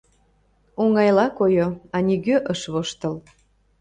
Оҥайла койо, а нигӧ ыш воштыл.